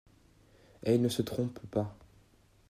Et ils ne se trompent pas.